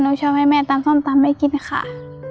ชอบให้แม่ตำส้มตำให้กินค่ะ